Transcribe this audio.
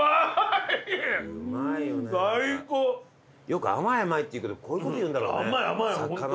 よく甘い甘いっていうけどこういうこというんだろうね魚の甘さ。